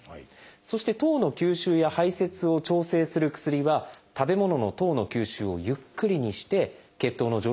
そして糖の吸収や排せつを調整する薬は食べ物の糖の吸収をゆっくりにして血糖の上昇を抑えます。